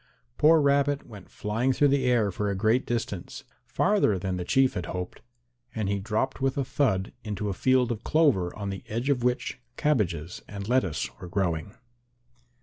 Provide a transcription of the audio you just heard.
Poor Rabbit went flying through the air for a great distance, farther than the Chief had hoped, and he dropped with a thud into a field of clover on the edge of which cabbages and lettuce were growing.